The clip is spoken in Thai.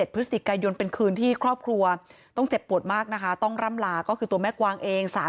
พฤศจิกายนเป็นคืนที่ครอบครัวต้องเจ็บปวดมากนะคะต้องร่ำลาก็คือตัวแม่กวางเอง